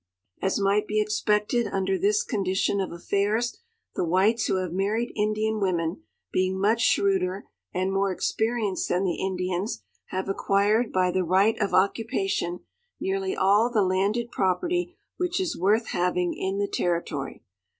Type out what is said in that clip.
As might be expected under this condition of affairs, the whites Avho have married Indian women, being much shrewder and more experienced than the Indians, have acquired by the right of occupation nearly all the landed property which is worth having in the Territory.